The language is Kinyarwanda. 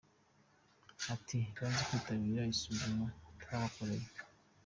Ati “ Banze kwitabira isuzuma twabakoreye.